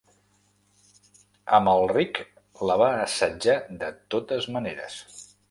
Amalric la va assetjar de totes maneres.